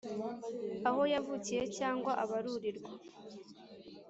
aho yavukiye cyangwa abarurirwa